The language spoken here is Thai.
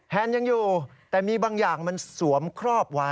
แนนยังอยู่แต่มีบางอย่างมันสวมครอบไว้